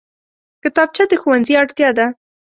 کتابچه د ښوونځي اړتیا ده